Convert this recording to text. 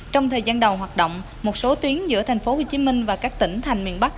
trong thời gian đầu hoạt động một số tuyến giữa tp hcm và các tỉnh thành miền bắc